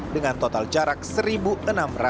dengan total jarak satu enam ratus km